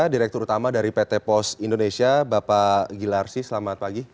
direktur utama dari pt pos indonesia bapak gilarsi selamat pagi